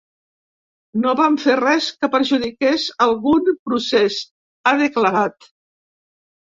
No vam fer res que perjudiqués algun procés, ha declarat.